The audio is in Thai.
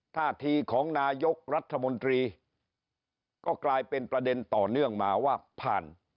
ท่าทีของนายกรัฐมนตรีก็กลายเป็นประเด็นต่อเนื่องมาว่าผ่าน